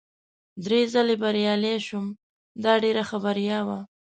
درې ځلي بریالی شوم، دا ډېره ښه بریا وه.